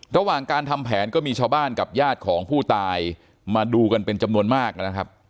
ระหว่างการทำแผนก็มีชาวบ้านกับญาติของผู้ตายมาดูกันเป็นจำนวนมากนะครับ